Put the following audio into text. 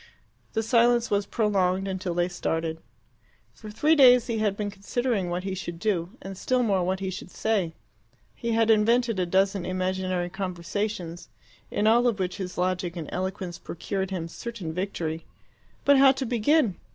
The silence was prolonged until they started. For three days he had been considering what he should do, and still more what he should say. He had invented a dozen imaginary conversations, in all of which his logic and eloquence procured him certain victory. But how to begin?